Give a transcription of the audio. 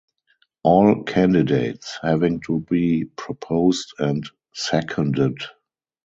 All candidates having to be proposed and seconded.